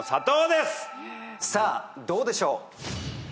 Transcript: さあどうでしょう？